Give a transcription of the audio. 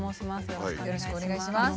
よろしくお願いします。